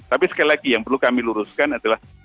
tapi sekali lagi yang perlu kami luruskan adalah